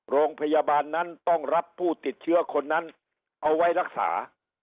โรงพยาบาลนั้นต้องรับผู้ติดเชื้อคนนั้นเอาไว้รักษา